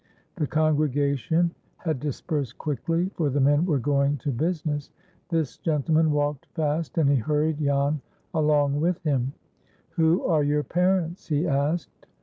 The congregation had dispersed quickly, for the men were going to business. This gentleman walked fast, and he hurried Jan along with him. "Who are your parents?" he asked.